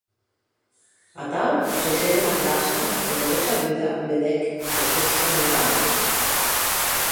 Atau gessec ena plaça e de ressabuda vedec qu'estramuncaue.